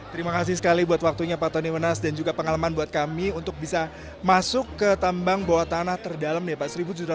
terima kasih sekali buat waktunya pak tony menas dan juga pengalaman buat kami untuk bisa masuk ke tambang bawah tanah terdalam nih pak seribu tujuh ratus enam puluh